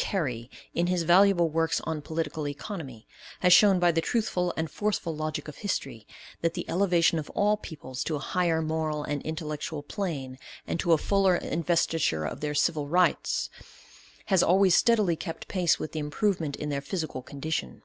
Carey, in his valuable works on political economy, has shown by the truthful and forceful logic of history, that the elevation of all peoples to a higher moral and intellectual plane, and to a fuller investiture of their civil rights, has always steadily kept pace with the improvement in their physical condition.